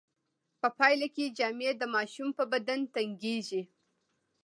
په پایله کې جامې د ماشوم په بدن تنګیږي.